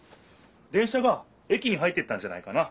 電車が駅に入っていったんじゃないかな。